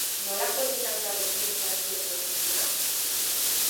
Nolakoa izan da dokumentazio prozesua?